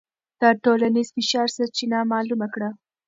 د ټولنیز فشار سرچینه معلومه کړه.